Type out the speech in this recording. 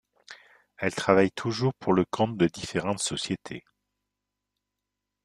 Elle travaille toujours pour le compte de différentes sociétés.